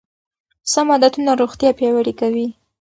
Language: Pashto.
سم عادتونه روغتیا پیاوړې کوي.